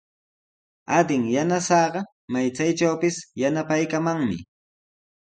Adin yanasaaqa may chaytrawpis yanapaykamanmi.